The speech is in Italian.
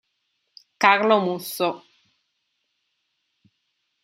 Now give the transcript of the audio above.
Carlo Musso